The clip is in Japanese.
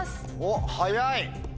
おっ早い！